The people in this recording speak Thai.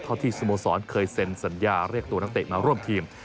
ที่สโมสรเคยเซ็นสัญญาเรียกตัวนักเตะมาร่วมทีม